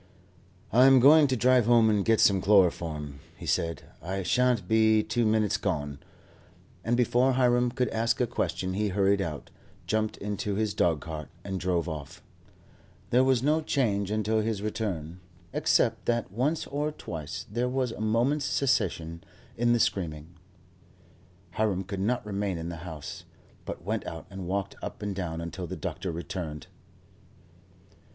"I am going to drive home and get some chloroform," he said, "I shan't be two minutes gone;" and before Hiram could ask a question he hurried out, jumped into his dogcart, and drove off. There was no change until his return, except that once or twice there was a moment's cessation in the screaming. Hiram could not remain in the house, but went out and walked up and down until the doctor returned.